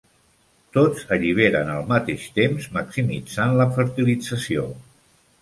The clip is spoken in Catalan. Tots alliberen al mateix temps, maximitzant la fertilització.